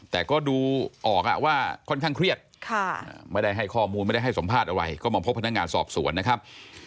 แต่ก็ดูออกว่าค่อนข้างเครียดไม่ได้ให้ข้อมูลไม่ได้ให้สัมภาษณ์อะไรก็มาพบพนักงานสอบสวนนะครับ